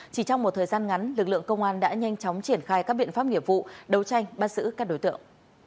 chỉ trong một thời gian ngắn lực lượng công an đã nhanh chóng triển khai các biện pháp nghiệp vụ đấu tranh bắt giữ các đối tượng